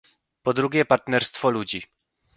Po drugie, partnerstwo ludzi